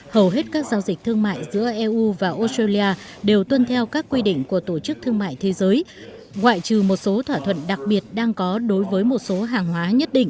hầu hết các giao dịch thương mại giữa eu và australia đều tuân theo các quy định của tổ chức thương mại thế giới ngoại trừ một số thỏa thuận đặc biệt đang có đối với một số hàng hóa nhất định